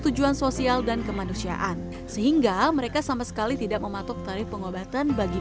tujuan sosial dan kemanusiaan sehingga mereka sama sekali tidak mematok tarif pengobatan bagi